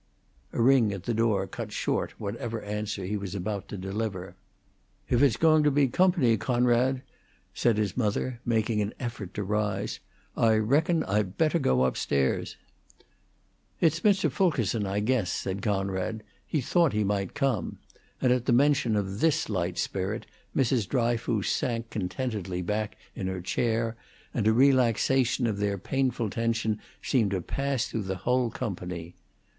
A ring at the door cut short whatever answer he was about to deliver. "If it's going to be company, Coonrod," said his mother, making an effort to rise, "I reckon I better go up stairs." "It's Mr. Fulkerson, I guess," said Conrad. "He thought he might come"; and at the mention of this light spirit Mrs. Dryfoos sank contentedly back in her chair, and a relaxation of their painful tension seemed to pass through the whole company.